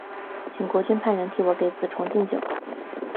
请国君派人替我给子重进酒。